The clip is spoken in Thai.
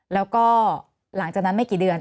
แล้วก็หลังจากนั้นไม่กี่เดือน